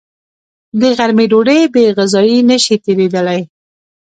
د غرمې ډوډۍ بېغذايي نشي تېرېدلی